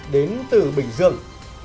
đến từ bình dương